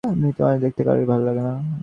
মৃত মানুষ দেখতে কারোরই ভালো লাগে না।